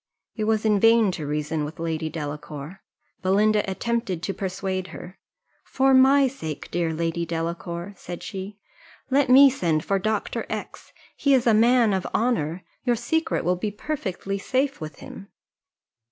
It was in vain to reason with Lady Delacour. Belinda attempted to persuade her: "For my sake, dear Lady Delacour," said she, "let me send for Dr. X ; he is a man of honour, your secret will be perfectly safe with him."